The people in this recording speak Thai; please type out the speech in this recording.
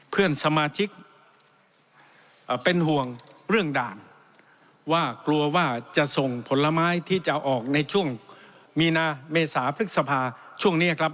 เพื่อนสมาชิกเป็นห่วงเรื่องด่านว่ากลัวว่าจะส่งผลไม้ที่จะออกในช่วงมีนาเมษาพฤษภาช่วงนี้ครับ